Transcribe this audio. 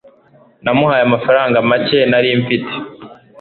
namuhaye amafaranga make nari mfite